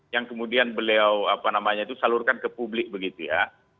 yang kemudian beliau salurkan ke publik begitu ya